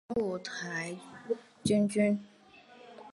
母五台郡君。